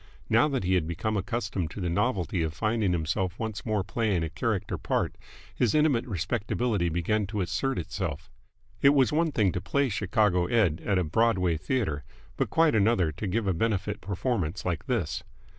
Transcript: Now that he had become accustomed to the novelty of finding himself once more playing a character part, his intimate respectability began to assert itself. It was one thing to play Chicago Ed. at a Broadway theatre, but quite another to give a benefit performance like this.